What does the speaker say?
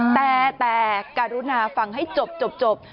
แต่แต่การุณาฟังให้จบ